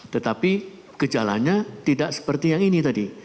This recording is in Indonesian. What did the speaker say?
tetapi gejalanya tidak seperti yang ini tadi